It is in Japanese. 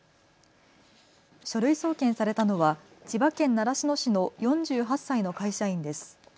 書類送検されたのは千葉県習志野市の４８歳の会社員です。